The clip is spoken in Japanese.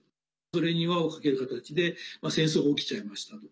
それに輪をかける形で戦争が起きちゃいましたと。